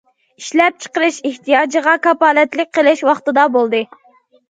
ئىشلەپچىقىرىش ئېھتىياجىغا كاپالەتلىك قىلىش ۋاقتىدا بولدى.